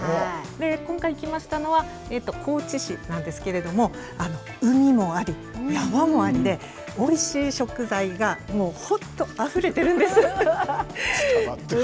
今回、行きましたのは、高知市なんですけれども、海もあり、山もありで、おいしい食材がもう本当伝わってくる。